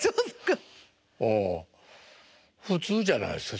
ああ普通じゃないですか？